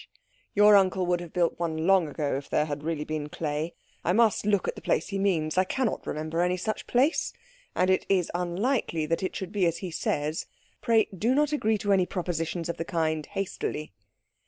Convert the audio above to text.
"Your uncle would have built one long ago if there really had been clay. I must look at the place he means. I cannot remember any such place. And it is unlikely that it should be as he says. Pray do not agree to any propositions of the kind hastily."